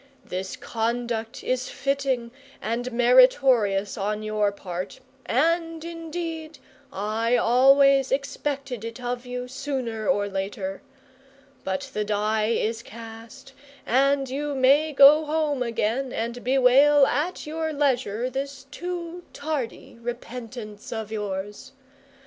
This conduct is fitting and meritorious on your part, and indeed I always expected it of you, sooner or later; but the die is cast, and you may go home again and bewail at your leisure this too tardy repentance of yours.